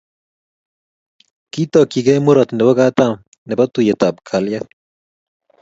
Kitokchikei murot nebo katam nebo tuiyetab kalyet